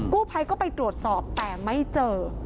กู้ภัยก็ไปตรวจสอบแต่ไม่เจอ